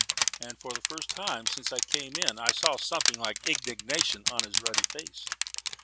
And for the first time since I came in I saw something like indignation on his ruddy face.